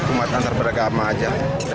umat antar beragama saja